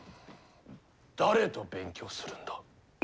誰と勉強するんだ？